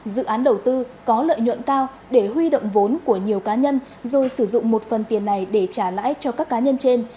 dự án đầu tư có lợi nhuận cao để huy động vốn của nhiều cá nhân rồi sử dụng một phần tiền này để trả lãi cho các cá nhân trên